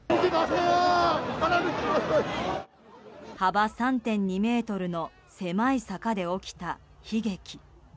幅３．２ｍの狭い坂で起きた悲劇。